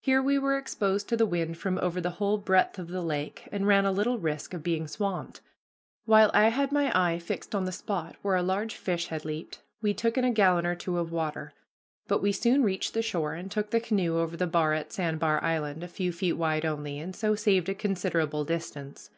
Here we were exposed to the wind from over the whole breadth of the lake, and ran a little risk of being swamped. While I had my eye fixed on the spot where a large fish had leaped, we took in a gallon or two of water; but we soon reached the shore and took the canoe over the bar at Sand bar Island, a few feet wide only, and so saved a considerable distance.